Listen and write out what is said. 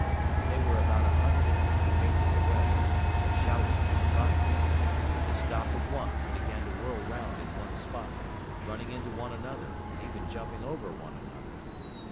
When they were about a hundred and fifty paces away I shouted and fired. They stopped at once and began to whirl round in one spot, running into one another and even jumping over one another.